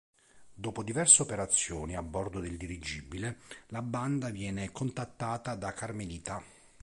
Dopo diverse operazioni a bordo del dirigibile, la Banda viene contattata da Carmelita.